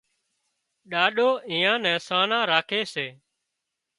ڏاڏو ايئان نين سانان راکي سي